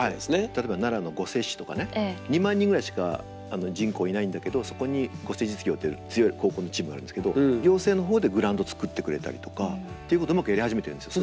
例えば奈良の御所市とかね２万人ぐらいしか人口いないんだけどそこに御所実業っていう強い高校のチームがあるんですけど行政のほうでグラウンドをつくってくれたりとかっていうことをうまくやり始めてるんですよ。